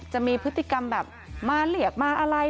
จะมีพฤติกรรมแบบมาเรียกมาอะไร